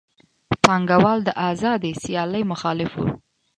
پانګوال د آزادې سیالۍ مخالف وو